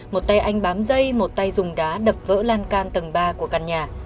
một tay anh bám dây một tay dùng đá đập vỡ lan can tầng ba của căn nhà